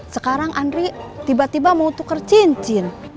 sekarang andri tiba tiba mau tukar cincin